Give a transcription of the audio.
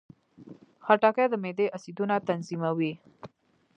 خټکی د معدې اسیدونه تنظیموي.